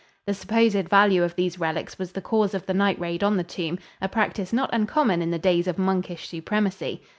The supposed value of these relics was the cause of the night raid on the tomb a practice not uncommon in the days of monkish supremacy.